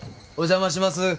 お邪魔します。